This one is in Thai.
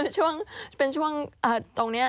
ช่วงเป็นช่วงตรงนี้